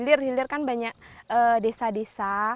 terutama untuk dihilir kan banyak desa desa